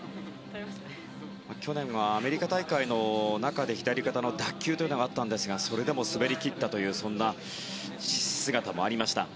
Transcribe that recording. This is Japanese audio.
去年はアメリカ大会の中で左肩の脱臼があったんですがそれでも滑り切ったという姿もありました。